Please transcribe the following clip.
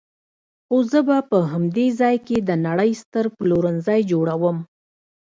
خو زه به په همدې ځای کې د نړۍ ستر پلورنځی جوړوم.